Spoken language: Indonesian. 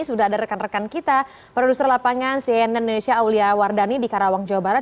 sudah ada rekan rekan kita produser lapangan cnn indonesia aulia wardani di karawang jawa barat